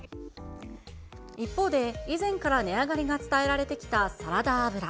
一方で、以前から値上がりが伝えられてきたサラダ油。